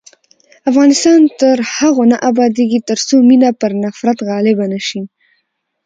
افغانستان تر هغو نه ابادیږي، ترڅو مینه پر نفرت غالبه نشي.